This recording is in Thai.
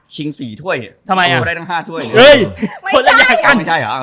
ชิงสี่ถ้วยเพราะว่าได้ทั้งห้าถ้วยเฮ้ยไม่ใช่ไม่ใช่เหรอ